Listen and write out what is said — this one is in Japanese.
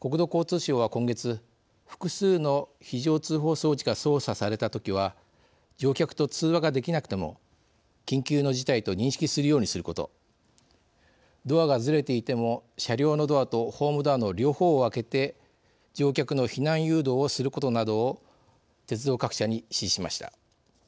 国土交通省は今月、複数の非常通報装置が操作されたときは乗客と通話ができなくても緊急の事態と認識するようにすることドアがずれていても車両のドアとホームドアの両方を開けて乗客の避難誘導をすることなどを鉄道各社に指示しました。